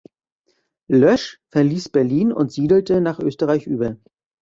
Loesch verließ Berlin und siedelte nach Österreich über.